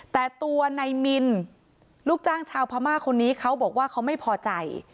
แต่ตัวนายมินลูกจ้างชาวพม่าคนนี้เขาบอกว่าเขาไม่พอใจ